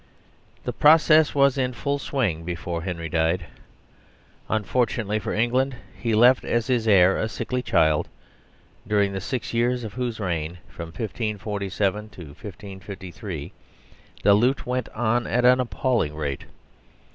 The process was in full swing before Henry died. Unfortunately for England, he left as his heir a sickly child, during the six years of whose reign, from 1 547 to 1 5 5 3, the loot went on at an appalling rate.